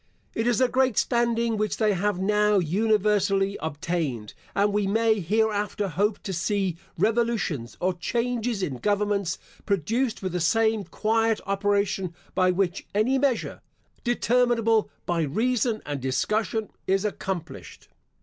It is a great standing which they have now universally obtained; and we may hereafter hope to see revolutions, or changes in governments, produced with the same quiet operation by which any measure, determinable by reason and discussion, is accomplished.